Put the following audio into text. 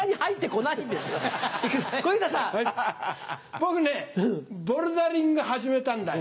僕ねボルダリング始めたんだよ。